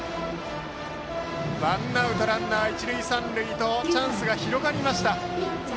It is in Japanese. ワンアウトランナー、一塁三塁とチャンスが広がりました。